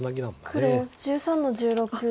黒１３の十六ツギ。